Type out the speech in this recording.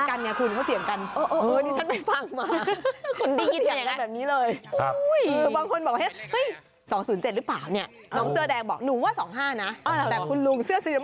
คุณพี่บอกดูดี๒๔๙